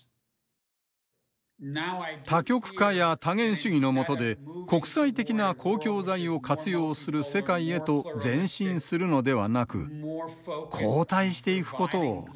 多極化や多元主義のもとで国際的な公共財を活用する世界へと前進するのではなく後退していくことを懸念しています。